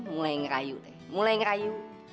mulai ngerayu eh mulai ngerayu